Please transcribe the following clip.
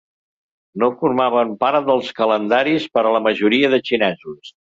No formaven part dels calendaris per a la majoria de xinesos.